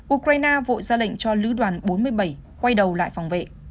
ukraine vội ra lệnh cho lữ đoàn bốn mươi bảy quay đầu lại phòng vệ